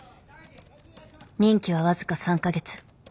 任期は僅か３か月。